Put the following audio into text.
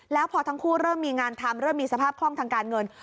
แล้วพอทั้งคู่เริ่มมีงานทำเริ่มมีสภาพคล่องทางการเงิน